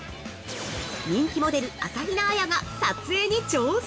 人気モデル朝比奈彩が撮影に挑戦。